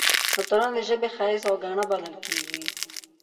متلونه د ژبې ښایست او ګاڼه بلل کېږي